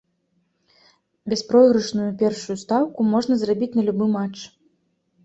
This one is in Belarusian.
Бяспройгрышную першую стаўку можна зрабіць на любы матч.